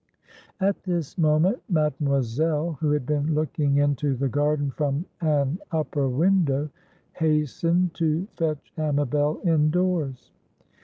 At this moment Mademoiselle, who had been looking into the garden from an upper window, hastened to fetch Amabel indoors.